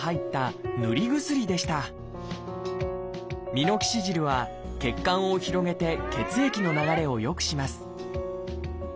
ミノキシジルは血管を広げて血液の流れを良くします